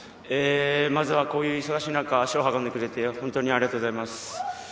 まずはこういう忙しい中、足を運んでくれて、本当にありがとうございます。